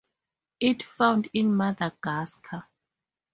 It found in Madagascar.